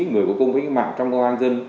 người có công với các mạng trong công an dân